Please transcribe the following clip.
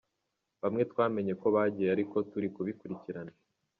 Bamwe twamenye ko bagiye ariko turi kubikurikirana.